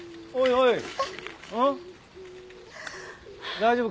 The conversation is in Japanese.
大丈夫？